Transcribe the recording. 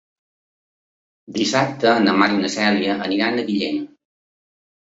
Dissabte na Mar i na Cèlia aniran a Villena.